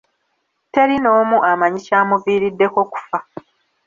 Teri n'omu amanyi kyamuviiriddeko kufa.